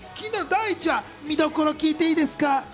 第１話、見どころを聞いていいですか？